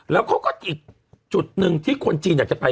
แล้วอีกจุดหนึ่งที่คนจีนจะไป